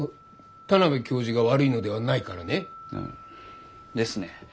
田邊教授が悪いのではないからね。ですね。